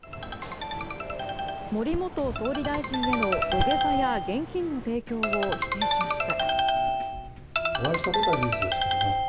森元総理大臣への土下座や現金の提供を否定しました。